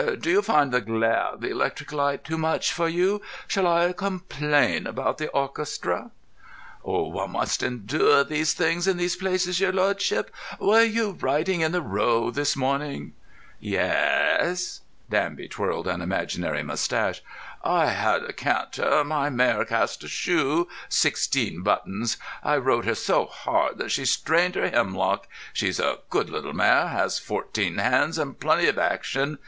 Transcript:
"Do you find the glare of the electric light too much for you? Shall I complain about the orchestra?" "One must endure these things in these places, your lordship. Were you riding in the Row this morning?" "Yaas." Danby twirled an imaginary moustache. "I had a canter. My mare cast a shoe—sixteen buttons. I rode her so hard that she strained her hemlock. She's a good little mare. Has fourteen hands, and plenty of action.